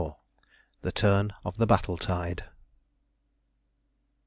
THE TURN OF THE BATTLE TIDE.